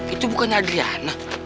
itu bukannya adriana